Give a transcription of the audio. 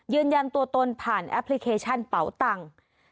ยืนยันตัวตนผ่านแอปเปาตั้ง